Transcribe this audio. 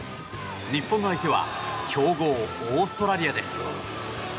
日本の相手は強豪オーストラリアです。